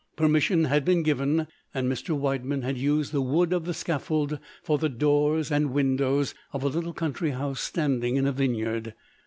Permission had been given, and Mr. Widemann had used the wood of the scaffold for the doors and windows of a little country house standing in a vineyard.